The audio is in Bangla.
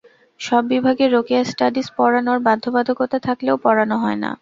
সব বিভাগে রোকেয়া স্টাডিজ পড়ানোর বাধ্যবাধকতা থাকলেও পড়ানো হয় না।